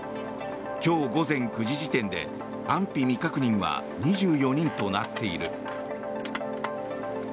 今日午前９時時点で安否未確認は２４人となっている。